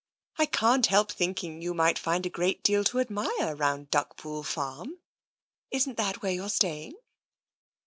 I can't help thinking you might find a great deal to admire round Duckpool Farm. Isn't that where you're staying?